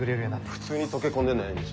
普通に溶け込んでんなエニシ。